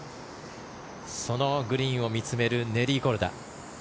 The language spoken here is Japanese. そのグリーンを見つめるネリー・コルダ。